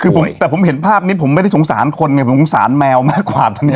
คือแบบผมเห็นภาพนี้ผมไม่ได้สงสารคนผมทินสานแมวมากกว่าตัวเนี่ย